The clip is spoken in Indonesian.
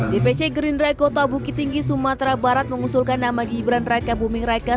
dpc gerindra eko tau bukit tinggi sumatera barat mengusulkan nama gibran raka bumi raka